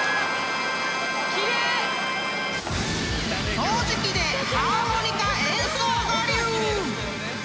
［掃除機でハーモニカ演奏我流！］